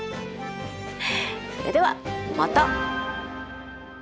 それではまた。